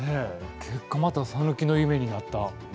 結果まささぬきの夢になった。